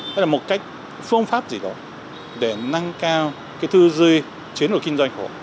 hay là một cái phương pháp gì đó để năng cao cái thư duyên chiến đổi kinh doanh của họ